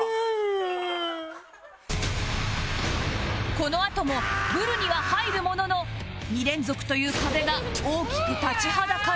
このあともブルには入るものの２連続という壁が大きく立ちはだかる